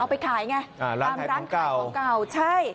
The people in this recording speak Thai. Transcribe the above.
เอาไปขายไงตามร้านขายของเก่า